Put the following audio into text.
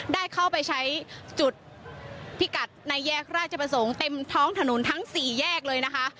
ได้เข้าไปใช้จุดพิกัดในแยกราชประสงค์เต็มท้องถนนทั้งสี่แยกเลยนะคะ